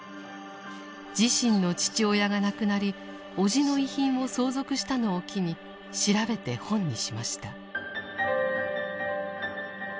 自身の父親が亡くなり叔父の遺品を相続したのを機に調べて本にしました。